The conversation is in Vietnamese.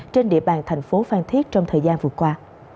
thành phố phan thiết trong thời gian vừa qua